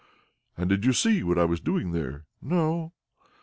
"And did you see what I was doing there?" "No."